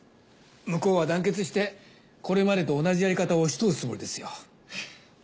向こうは団結してこれまでと同じやり方を押し通すつもりですよ。